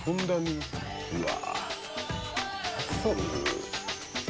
うわ！